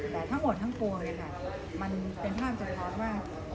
แต่ทั้งหมดทั้งปวงเลยค่ะมันเป็นภาพเฉพาะ